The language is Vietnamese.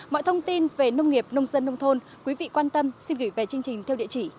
mọi thông tin về nông nghiệp nông dân nông thôn quý vị quan tâm xin gửi về chương trình theo địa chỉ